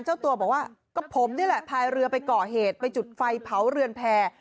เจ้าตัวบอกว่าก็ผมนี่แหละพายเรือไปก่อเหตุไปจุดไฟเผาเรือนแพร่